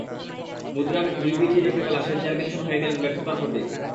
মুদ্রার দুই পিঠই দেখে ফেলা শেন জার্গেনসেন হয়ে গেলেন ব্যর্থতার প্রতীক।